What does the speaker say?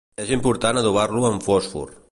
És important adobar-lo amb fòsfor.